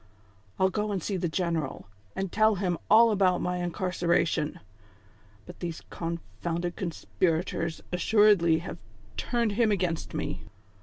I'll go and see the general, and tell him all about my incarcera tion ; but these confounded conspirators assuredly have turned him against me.